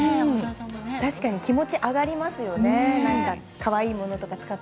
確かに気持ちが上がりますよね